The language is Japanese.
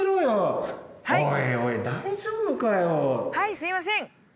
はいすいません！